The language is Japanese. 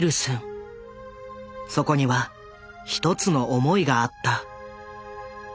そこには１つの思いがあった。